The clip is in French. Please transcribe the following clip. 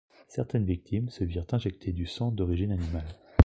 Certaines victimes se virent injecter du sang d’origine animale.